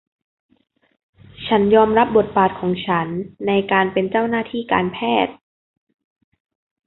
ฉันยอมรับบทบาทของฉันในการเป็นเจ้าหน้าที่การแพทย์